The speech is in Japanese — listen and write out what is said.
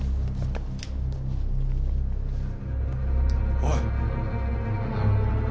おい！